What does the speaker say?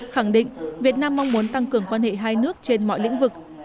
khẳng định việt nam mong muốn tăng cường quan hệ hai nước trên mọi lĩnh vực